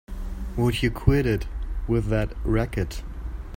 Would you quit it with that racket!